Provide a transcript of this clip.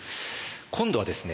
今度はですね